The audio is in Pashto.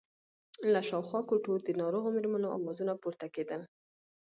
له شاوخوا کوټو د ناروغو مېرمنو آوازونه پورته کېدل.